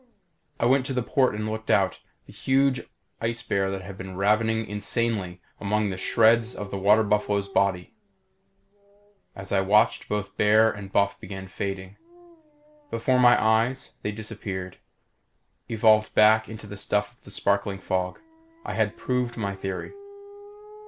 I went to the port and looked out. The huge ice bear had been ravening insanely among the shreds of the water buffalo's body. As I watched both bear and buff began fading. Before my eyes, they disappeared, evolved back into the stuff of the sparkling fog. I had proved my theory.